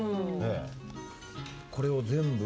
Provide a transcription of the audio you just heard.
これを全部？